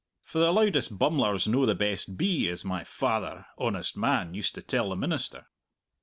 For the loudest bummler's no the best bee, as my father, honest man, used to tell the minister."